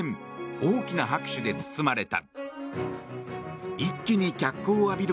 大きな拍手で包まれた。